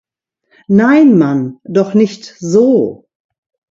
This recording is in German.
Nein Mann, doch nicht so!